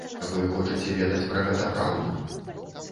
Вы хочаце ведаць пра гэта праўду?